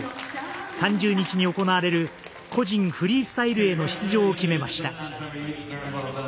３０日に行われる個人フリースタイルへの出場を決めました。